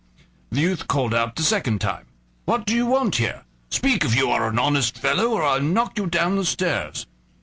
The youth called out the second time: "What do you want here? Speak if you are an honest fellow, or I'll knock you down the stairs."